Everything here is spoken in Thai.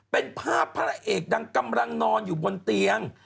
เป็นภาพพระเอกดังกำลังนอนอยู่บนเตียง